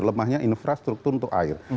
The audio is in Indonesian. lemahnya infrastruktur untuk air